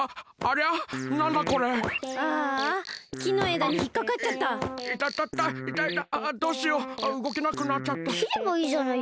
きればいいじゃないですか。